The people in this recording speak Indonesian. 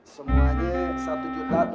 semuanya satu delapan ratus rupiah